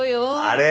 あれ？